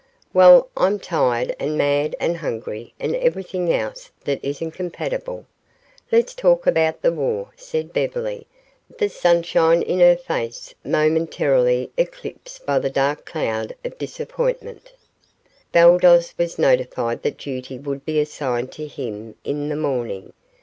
"Well, I'm tired and mad and hungry and everything else that isn't compatible. Let's talk about the war," said Beverly, the sunshine in her face momentarily eclipsed by the dark cloud of disappointment. Baldos was notified that duty would be assigned to him in the morning.